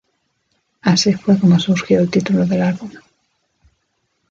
Así fue como surgió el título del álbum.